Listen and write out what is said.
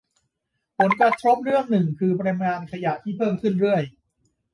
ผลกระทบเรื่องหนึ่งคือปริมาณขยะที่เพิ่มขึ้นเรื่อย